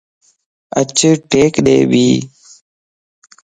اچ ٽيڪ ڏئي ٻي